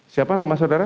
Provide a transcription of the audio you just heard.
siapa sama saudara